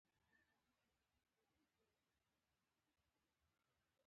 دواړو جسد ته وکتل.